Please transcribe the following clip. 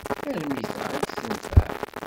Tarmit-a ad k-tenfeɛ.